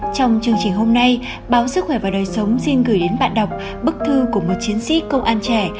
trong chương trình hôm nay báo sức khỏe và đời sống xin gửi đến bạn đọc bức thư của một chiến sĩ công an trẻ